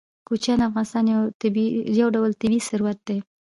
کوچیان د افغانستان یو ډول طبعي ثروت دی.